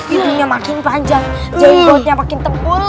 idunya makin panjang jemputnya makin tebal